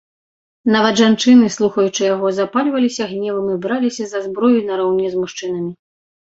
Нават жанчыны, слухаючы яго, запальваліся гневам і браліся за зброю нараўне з мужчынамі.